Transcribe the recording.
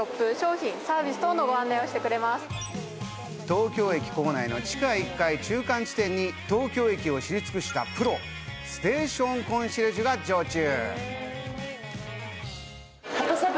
東京駅構内の地下１階、中間地点に東京駅を知り尽くしたプロ、ステーションコンシェルジュが常駐。